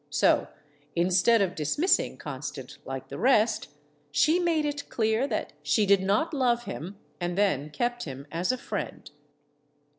So, instead of dismissing Con stant like the rest, she made it clear that she did not love him and then kept him as a friend.